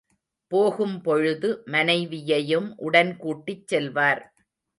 போகும் பொழுது மனைவியையும் உடன் கூட்டிச் செல்வார்.